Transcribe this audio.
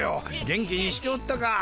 元気にしておったか。